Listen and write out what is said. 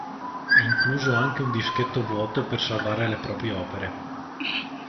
È incluso anche un dischetto vuoto per salvare le proprie opere.